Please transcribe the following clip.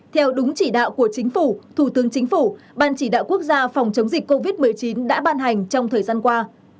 theo đúng chỉ đạo của chính phủ thủ tướng chính phủ ban chỉ đạo quốc gia phòng chống dịch covid một mươi chín đã ban hành trong thời gian qua